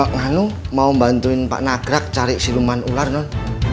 nganu mau bantuin pak nagrak cari siluman ular non